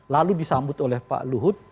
lalu disambut oleh pak luhut